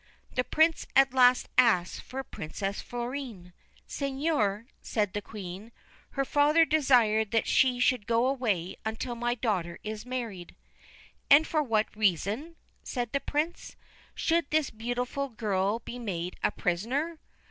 The Prince at last asked for Princess Florine. ' Seigneur,' said the Queen, ' her father desired that she should go away until my daughter is married.' ' And for what reason/ said the Prince, ' should this beautiful girl be made a prisoner